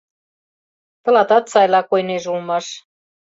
Тылатат сайла койнеже улмаш.